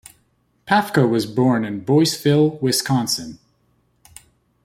Pafko was born in Boyceville, Wisconsin.